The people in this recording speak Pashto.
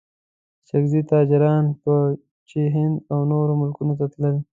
اڅګزي تاجران به چې هند او نورو ملکونو ته تلل.